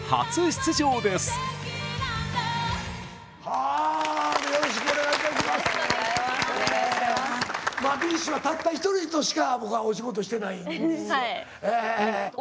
ＢｉＳＨはたった一人としか僕はお仕事してないんですよ。